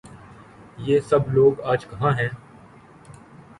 یہ سب لوگ آج کہاں ہیں؟